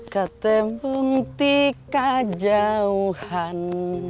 ketembung tika jauhan